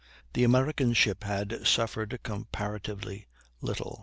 The American ship had suffered comparatively little.